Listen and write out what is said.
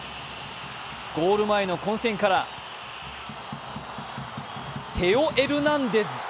ゴール前の混戦からテオ・エルナンデズ。